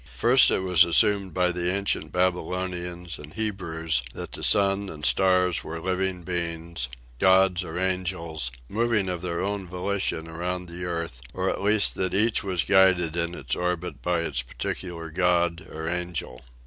First it was assumed by the ancient Babylonians and Hebrews that the sun and stars were living beings, gods or angels, moving of their own volition around the earth, or at least that each was guided in its orbit by its particular god or angel.